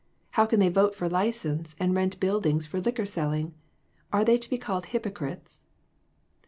How can they vote for license, and rent buildings for liquor selling? Are they to be called hypocrites